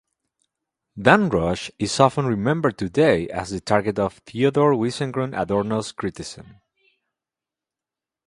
Damrosch is often remembered today as the target of Theodore Wiesengrund Adorno's criticism.